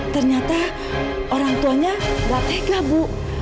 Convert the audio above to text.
ternyata orang tuanya gak tega bu